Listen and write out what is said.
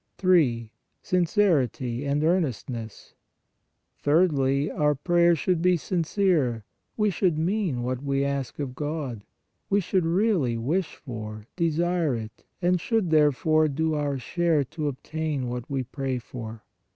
3. SINCERITY AND EARNESTNESS. Thirdly, our prayer should be sincere, we should mean what we ask of God; we should really wish for, desire it, and should, therefore, do our share to obtain what we pray for.